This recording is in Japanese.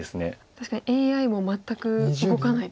確かにＡＩも全く動かないですね。